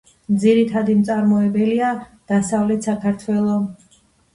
ძირითადი მწარმოებელია დასავლეთ საქართველო.